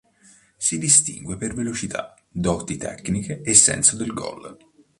Si distingue per velocità, doti tecniche e senso del goal.